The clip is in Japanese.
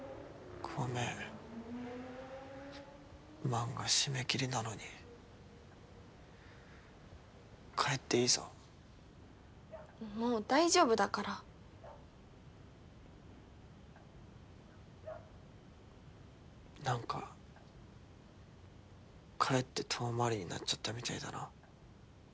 漫画締め切りなのに帰っていいぞもう大丈夫だからなんか返って遠回りになっちゃったみたいだな